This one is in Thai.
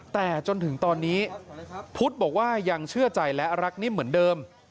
แต่จนถึงตอนนี้พุทธบอกว่ายังเชื่อใจและรักนิ่มเหมือนเดิม